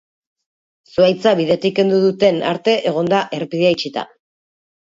Zuhaitza bidetik kendu duten arte egon da errepidea itxita.